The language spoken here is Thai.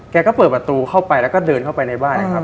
แกก็เปิดประตูเข้าไปแล้วก็เดินเข้าไปในบ้านนะครับ